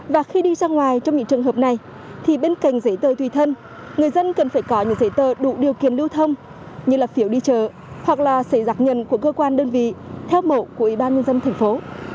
và khi đi ra ngoài trong những trường hợp này thì bên cạnh giấy tờ tùy thân người dân cần phải có những giấy tờ đủ điều kiện lưu thông như là phiếu đi chợ hoặc là xấy giặc nhận của cơ quan đơn vị theo mẫu của ủy ban nhân dân thành phố